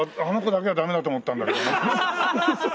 あの子だけはダメだと思ったんだけどね。